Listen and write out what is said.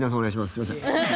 すいません。